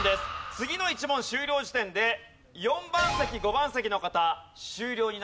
次の１問終了時点で４番席５番席の方終了になってしまいます。